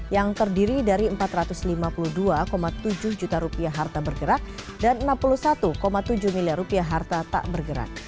yang terdiri dari empat ratus lima puluh dua tujuh juta harta bergerak dan rp enam puluh satu tujuh miliar harta tak bergerak